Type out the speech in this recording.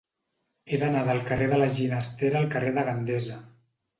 He d'anar del carrer de la Ginestera al carrer de Gandesa.